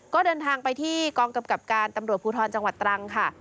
ก็เดินทางไปที่กองกำกับการตำรวจภูทรจังหวัดตรังค่ะ